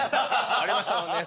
ありましたもんね